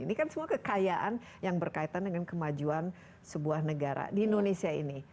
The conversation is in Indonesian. ini kan semua kekayaan yang berkaitan dengan kemajuan sebuah negara di indonesia ini